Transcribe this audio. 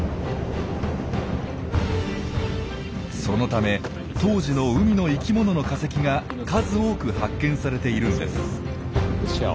そのため当時の海の生きものの化石が数多く発見されているんです。